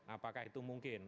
apakah itu mungkin